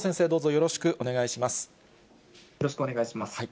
よろしくお願いします。